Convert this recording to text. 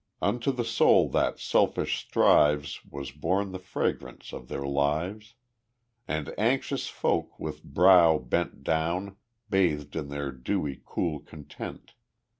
Unto the soul that selfish strives Was borne the fragrance of their lives, And anxious folk with brow down bent Bathed in their dewy cool content.